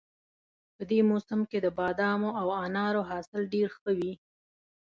په دې موسم کې د بادامو او انارو حاصل ډېر ښه وي